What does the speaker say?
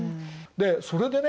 でそれでね